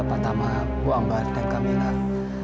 pak tama bu ambar dan metres regrets